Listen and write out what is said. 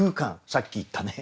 さっき言ったね